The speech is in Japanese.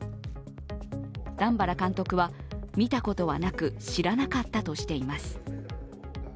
段原監督は、見たことはなく知らなかったとしています。